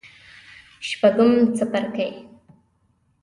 شپږم څپرکی